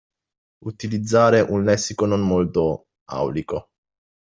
Utilizzare un lessico non molto "aulico".